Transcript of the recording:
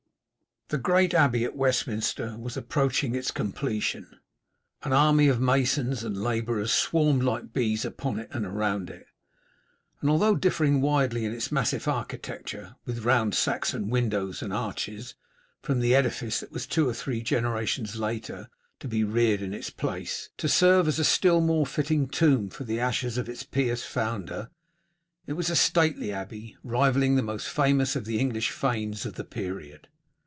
The great Abbey of Westminster was approaching its completion; an army of masons and labourers swarmed like bees upon and around it, and although differing widely in its massive architecture, with round Saxon windows and arches, from the edifice that was two or three generations later to be reared in its place, to serve as a still more fitting tomb for the ashes of its pious founder, it was a stately abbey, rivalling the most famous of the English fanes of the period.